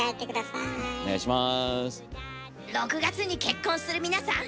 ６月に結婚する皆さん。